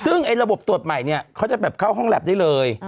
ซึ่งระบบตรวจใหม่เขาจะเข้าห้องแล็ปได้เลย